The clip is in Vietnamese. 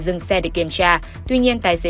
dừng xe để kiểm tra tuy nhiên tài xế